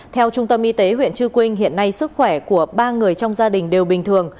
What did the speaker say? theo trung tâm y tế huyện chư quynh hiện nay sức khỏe của ba người trong gia đình đều bình thường